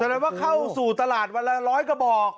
แสดงว่าเข้าสู่ตลาดวันละ๑๐๐กระบอก